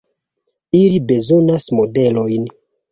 Ili bezonas modelojn.